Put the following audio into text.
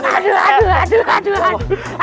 aduh aduh aduh aduh aduh